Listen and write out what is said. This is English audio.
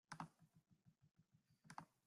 For passing the general bridge, you had to pay.